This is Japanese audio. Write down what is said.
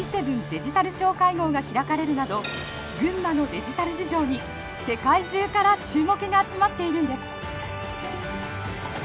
デジタル相会合が開かれるなど群馬のデジタル事情に世界中から注目が集まっているんです。